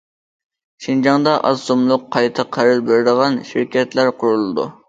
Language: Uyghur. شىنجاڭدا ئاز سوممىلىق قايتا قەرز بېرىدىغان شىركەتلەر قۇرۇلىدۇ.